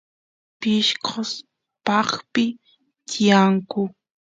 pishqos paaqpi tiyanku